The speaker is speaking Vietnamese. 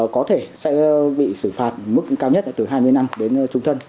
có thể sẽ bị xử phạt mức cao nhất là từ hai mươi năm đến trung thân